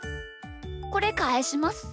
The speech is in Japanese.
これかえします。